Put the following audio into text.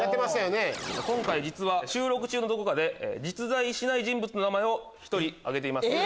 今回収録中のどこかで実在しない人物の名前を１人挙げています。